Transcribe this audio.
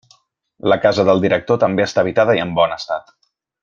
La casa del director també està habitada i en bon estat.